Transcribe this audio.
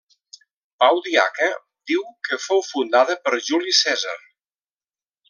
Pau Diaca diu que fou fundada per Juli Cèsar.